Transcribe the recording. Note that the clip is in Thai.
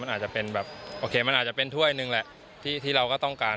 อาจจะเป็นแบบโอเคมันอาจจะเป็นถ้วยหนึ่งแหละที่เราก็ต้องการ